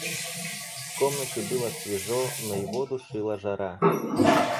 В комнате было свежо, но его душила жара.